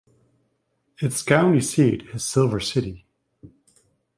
Its county seat is Silver City.